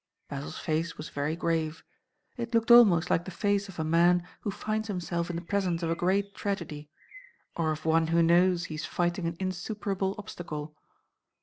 Basil's face was very grave. It looked almost like the face of a man who finds himself in the presence of a great tragedy; or of one who knows he is fighting an insuperable obstacle.